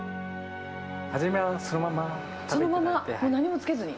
初めはそのまま食べていただ何もつけずに？